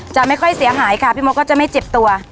จะไม่ค่อยเสียหายค่ะพี่มดก็จะไม่เจ็บตัว